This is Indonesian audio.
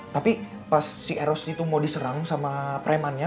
tapi pas si eros itu mau diserang sama premannya